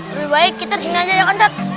lebih baik kita sini aja ya kan cat